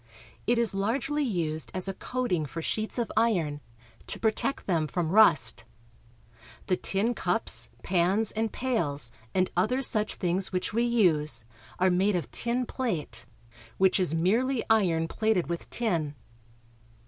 It is largely used as a coating for sheets of iron, to protect them from rust. The tin cups, pans, and pails, and other such things which we use are made of tin plate, which is merely iron plated with tin.